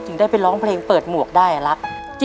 ได้ไปร้องเพลงเปิดหมวกได้รัก